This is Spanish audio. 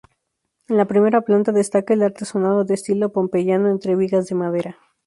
En la primera planta destaca el artesonado de estilo pompeyano entre vigas de madera.